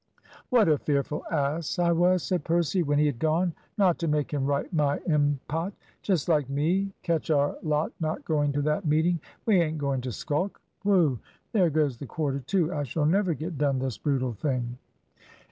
"What a fearful ass I was," said Percy when he had gone, "not to make him write my impot! Just like me. Catch our lot not going to that meeting! We aint going to skulk. Whew! there goes the quarter to! I shall never get done this brutal thing."